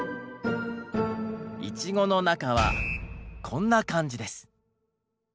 イチゴの中はこんな感じです。